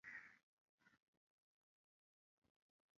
Ukimwi ni magonjwa inayo tokana na ngono